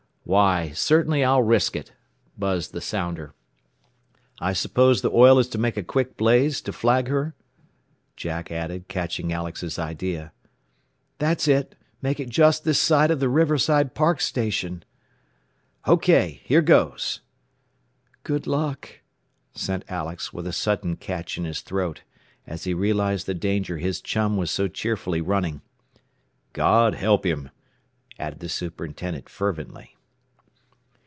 "Why, certainly I'll risk it," buzzed the sounder. "I suppose the oil is to make a quick blaze, to flag her?" Jack added, catching Alex's idea. "That's it. Make it just this side of the Riverside Park station." "OK! Here goes!" "Good luck," sent Alex, with a sudden catch in his throat, as he realized the danger his chum was so cheerfully running. "God help him!" added the superintendent fervently.